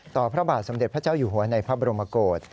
พระบาทสมเด็จพระเจ้าอยู่หัวในพระบรมโกศ